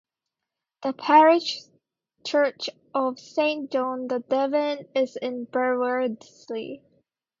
The parish church of Saint John the Devine is in Burwardsley.